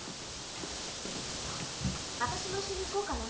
私も一緒に行こうかな。